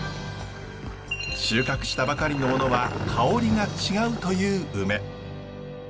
収穫したばかりのものは香りが違うというウメ。